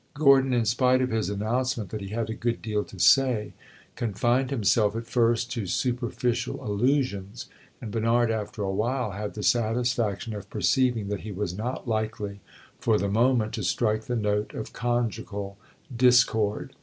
Gordon, in spite of his announcement that he had a good deal to say, confined himself at first to superficial allusions, and Bernard after a while had the satisfaction of perceiving that he was not likely, for the moment, to strike the note of conjugal discord.